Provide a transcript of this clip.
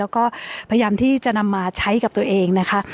แล้วก็พยายามที่จะนำมาใช้กับตัวเองนะคะ